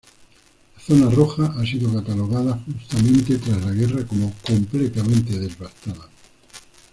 La ""zona roja"" ha sido catalogada justamente tras la guerra como ""Completamente devastada.